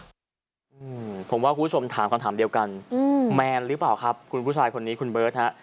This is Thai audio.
อืมผมว่าคุณผู้ชมถามคำถามเดียวกันอืมแมนหรือเปล่าครับคุณผู้ชายคนนี้คุณเบิร์ตฮะ